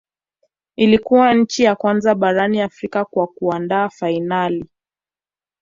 Ilikuwa nchi ya kwanza barani Afrika kwa kuandaa fainali